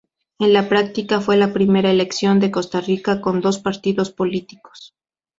En la práctica fue la primera elección de Costa Rica con dos partidos políticos.